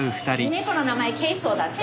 猫の名前ケイソーだって。